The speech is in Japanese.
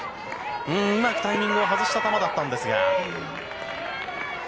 うまくタイミングを外した球だったんですが。